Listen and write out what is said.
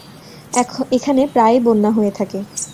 এখানে প্রায়ই বন্যা হয়ে থাকে।